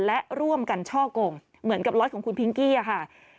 และร่วมกันช่อกงเหมือนกับล็อตของคุณพิงกี้ค่ะ